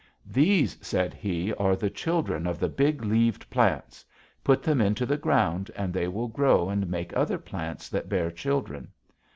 "'These,' said he, 'are the children of the big leaved plants; put them into the ground and they will grow and make other plants that bear children.